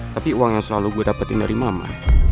tapi uang yang selalu gue dapetin dari mama